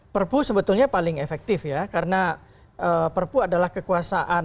perpu sebetulnya paling efektif ya karena perpu adalah kekuasaan